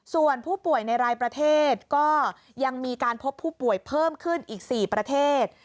ส่วนผู้ป่วยในรายประเทศก็ยังมีการพบผู้ป่วยเพิ่มขึ้นอีก๔ประเทศ